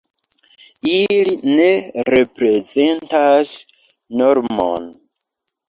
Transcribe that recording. Ili ne reprezentas normon.